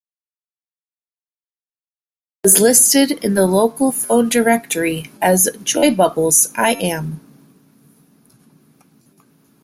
He was listed in the local phone directory as "Joybubbles, I Am".